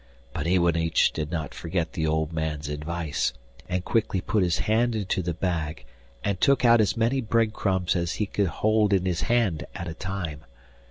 But Iwanich did not forget the old man's advice, and quickly put his hand into the bag and took out as many bread crumbs as he could hold in his hand at a time.